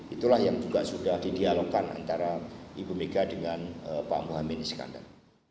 itulah yang juga sudah didialogkan antara ibu megawati soekarno putri dengan pak mohamad iskandar